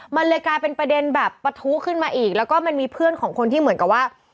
มันเลยกลายเป็นประเด็นแบบปะทุขึ้นมาอีกแล้วก็มันมีเพื่อนของคนที่เหมือนกับว่า